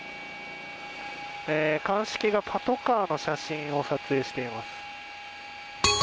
鑑識がパトカーの写真を撮影しています。